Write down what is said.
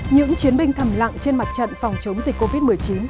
những chiến binh thầm lặng trên mặt trận phòng chống dịch covid một mươi chín